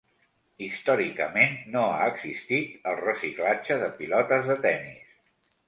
Històricament, no ha existit el reciclatge de pilotes de tennis.